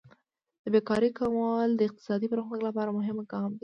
د بیکارۍ کمول د اقتصادي پرمختګ لپاره مهم ګام دی.